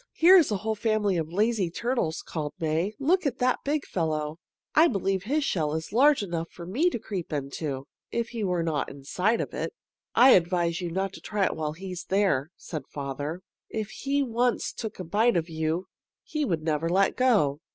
"Here is a whole family of lazy turtles," called May. "Look at that big fellow! I believe his shell is large enough for me to creep into, if he were not inside of it." [Illustration: "Look at that big fellow!"] "I advise you not to try it while he is there," said her father. "If he once took a bite of you, he would never let go."